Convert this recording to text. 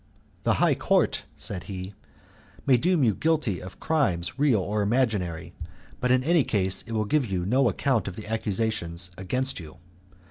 "The high court," said he, "may deem you guilty of crimes real or imaginary; but in any case it will give you no account of the accusations against you.